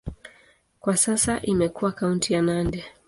Kwa sasa imekuwa kaunti ya Nandi.